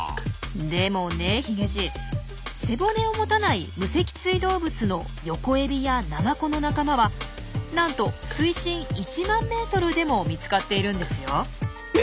でもねヒゲじい背骨を持たない無脊椎動物のヨコエビやナマコの仲間はなんと水深１万ｍでも見つかっているんですよ。え！？